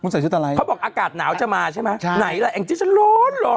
ใส่ชุดอะไรเขาบอกอากาศหนาวจะมาใช่ไหมใช่ไหนล่ะแองจี้ฉันร้อนร้อน